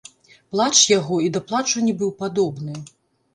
Плач яго і да плачу не быў падобны.